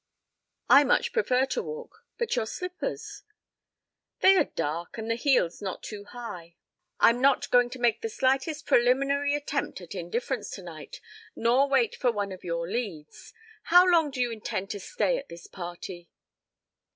"I much prefer to walk, but your slippers " "They are dark and the heels not too high." "I'm not going to make the slightest preliminary attempt at indifference tonight, nor wait for one of your leads. How long do you intend to stay at this party?"